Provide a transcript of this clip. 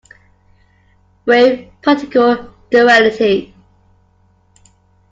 Wave-particle duality.